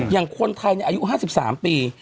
อย่างคนไทยอายุ๕๓ปี